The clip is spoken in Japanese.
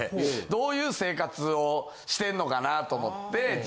どういう生活をしてんのかなと思って。